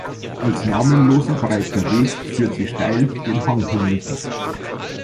Als namenloser breiter Weg führt sie steil den Hang hinunter.